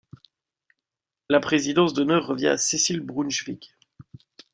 La présidence d’honneur revient à Cécile Brunschvicg.